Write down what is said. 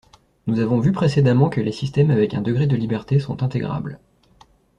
Nous avons vu précédemment que les système avec un degré de liberté sont intégrables